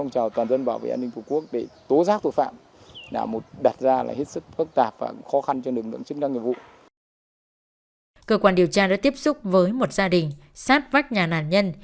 cơ quan điều tra đã tiếp xúc với một gia đình sát vách nhà nạn nhân